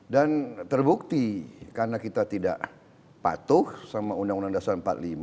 dan terbukti karena kita tidak patuh sama undang undang dasar seribu sembilan ratus empat puluh lima